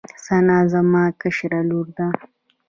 ثنا زما کشره لور ده